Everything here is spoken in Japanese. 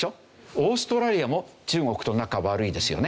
オーストラリアも中国と仲悪いですよね。